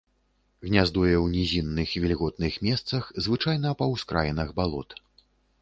Гняздуе ў нізінных вільготных месцах, звычайна па ўскраінах балот.